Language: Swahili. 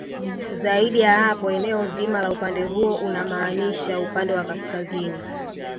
Zaidi ya hapo eneo zima la upande huo unamaanisha upande wa kaskazini